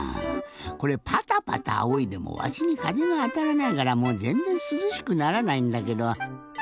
これパタパタあおいでもわしにかぜがあたらないからもうぜんぜんすずしくならないんだけど。